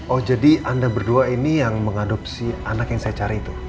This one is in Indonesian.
oh jadi anda berdua ini yang mengadopsi anak yang saya cari itu